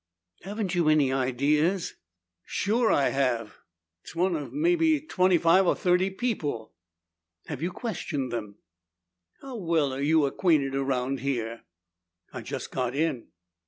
"Haven't you any ideas?" "Sure I have. It's one of maybe twenty five or thirty people." "Have you questioned them?" "How well are you acquainted around here?" "I just got in."